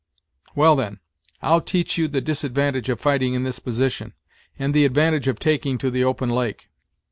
"Well, then, I'll teach you the disadvantage of fighting in this position, and the advantage of taking to the open lake.